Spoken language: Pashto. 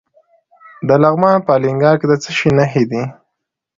د لغمان په الینګار کې د څه شي نښې دي؟